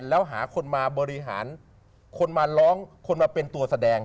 แล้วหาคนมาบริหารคนมาร้องคนมาเป็นตัวแสดง